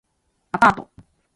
アパート